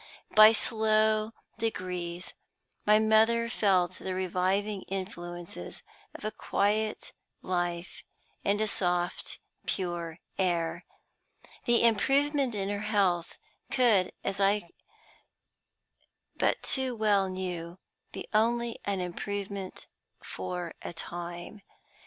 By slow degrees my mother felt the reviving influences of a quiet life and a soft, pure air. The improvement in her health could, as I but too well knew, be only an improvement for a time.